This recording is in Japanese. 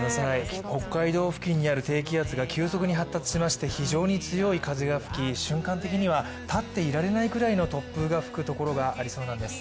北海道付近にある低気圧が急速に発達していまして非常に強い風が吹き、瞬間的には立っていられないくらいの突風が吹くところがありそうなんです。